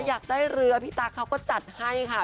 อยากได้เรือพี่ตั๊กเขาก็จัดให้ค่ะ